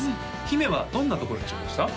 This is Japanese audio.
姫はどんなところに注目した？